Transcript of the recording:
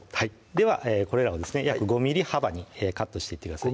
ではこれらをですね約５ｍｍ幅にカットしていってください